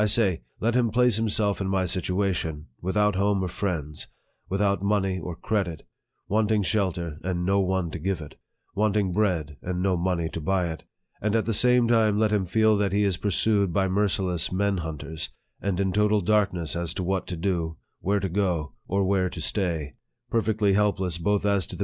1 say, let him place himself in my situation without home or friends without money or credit wanting shelter, and no one to give it wanting bread, and no money to buy it, and at the same time let him feel that he is pursued by merciless men hunters, and in total darkness as to what to do, where to go, or where to stay, perfectly helpless both as to the LIFE OF FREDERICK DOUGLASS.